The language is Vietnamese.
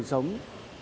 rất là đúng đắn